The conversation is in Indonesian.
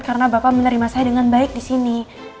karena bapak menerima saya dengan baik disini